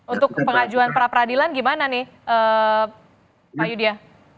untuk pengajuan pra peradilan gimana nih pak yudya